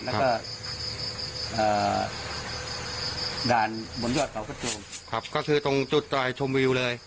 ครับแล้วก็เอ่อด่านบนยอดเขาก็ตรงครับก็คือตรงจุดตรวจชมวิวเลย